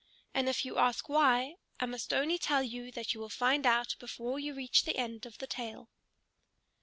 And if you ask why, I must only tell you that you will find out before you reach the end of the tale.